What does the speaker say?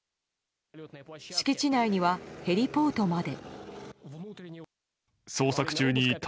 敷地内にはヘリポートまで。